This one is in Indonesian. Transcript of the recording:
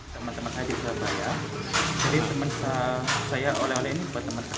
teman teman saya di surabaya jadi teman saya oleh oleh ini buat teman teman